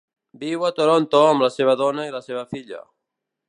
Viu a Toronto amb la seva dona i la seva filla.